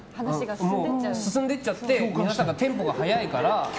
進んでっちゃって皆さんがテンポが速いから。